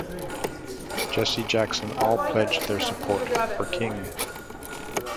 Jesse Jackson all pledged their support for King.